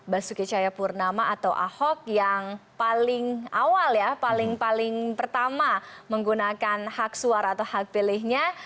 basuki cahayapurnama atau ahok yang paling awal ya paling paling pertama menggunakan hak suara atau hak pilihnya